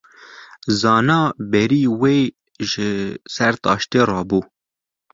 Zana berî wê ji ser taştê rabû.